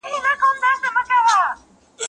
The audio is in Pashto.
زه درسونه لوستي دي!.